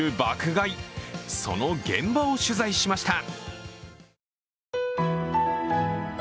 買い、その現場を取材しました。